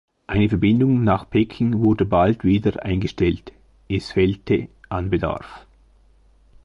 Eine Verbindung nach Peking wurde bald wieder eingestellt, es fehlte an Bedarf.